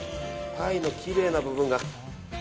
タイのきれいな部分が。